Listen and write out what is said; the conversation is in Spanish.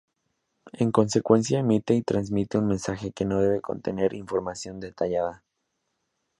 En consecuencia emite y transmite un mensaje que no debe contener, información detallada.